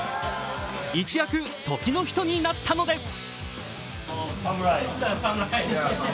一躍、時の人になったのです。